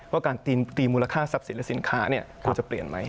ว่าการตีมูลค่าทรัพย์สินและสินค้าควรจะเปลี่ยนไหม